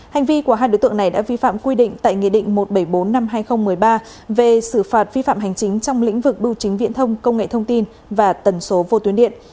hành vi của hai đối tượng này đã vi phạm quy định tại nghị định một trăm bảy mươi bốn năm hai nghìn một mươi ba về xử phạt vi phạm hành chính trong lĩnh vực bưu chính viễn thông công nghệ thông tin và tần số vô tuyến điện